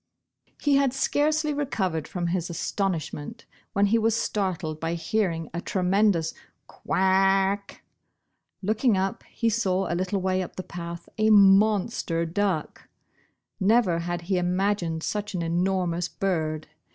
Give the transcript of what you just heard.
He had scarcely recovered from his astonish ment, when he was startled by hearing a tre mendous '' quaaaacky Looking up, he saw, a little way up the path, a monster duck — never had he imagined such an enormous bird.